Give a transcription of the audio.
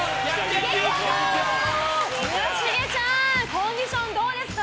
村重ちゃんコンディションどうですか？